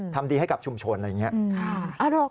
ทำดีให้กับชุมชนอะไรอย่างนี้